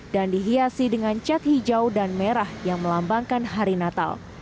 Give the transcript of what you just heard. dan dihiasi dengan cat hijau dan merah yang melambangkan hari natal